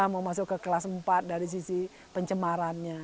mau masuk ke kelas empat dari sisi pencemarannya